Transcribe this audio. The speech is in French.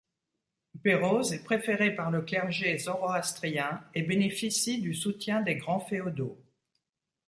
Péroz est préféré par le clergé zoroastrien et bénéficie du soutien des grands féodaux.